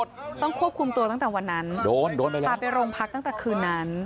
ต้องควบคุมตัวตั้งแต่วันนั้นตามไปโรงพักตั้งแต่คืนนั้น